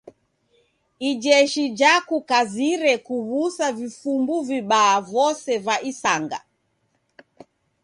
Ijeshi jakukazire kuw'usa vifumbu vibaa vose va isanga.